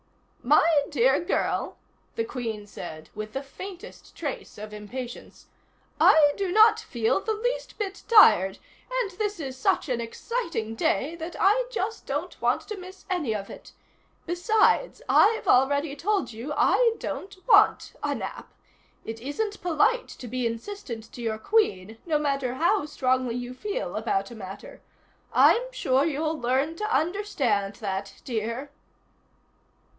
"My dear girl," the Queen said, with the faintest trace of impatience, "I do not feel the least bit tired, and this is such an exciting day that I just don't want to miss any of it. Besides, I've already told you I don't want a nap. It isn't polite to be insistent to your Queen no matter how strongly you feel about a matter. I'm sure you'll learn to understand that, dear."